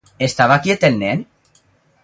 Estava quiet el nen?